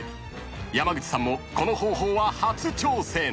［山口さんもこの方法は初挑戦］